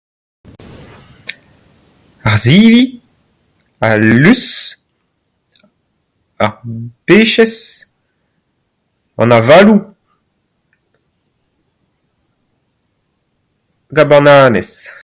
Ar sivi, al lus, ar pechez, an avaloù [...] hag ar bananez.